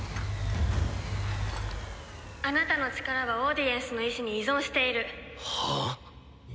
「あなたの力はオーディエンスの意志に依存している」はあ！？